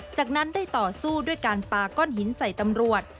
จากนั้นได้ต่อสู้ด้วยการปาก้อนหินใส่ตำรวจ